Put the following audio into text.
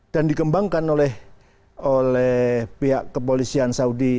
dan dikembangkan oleh pihak kepolisian saudi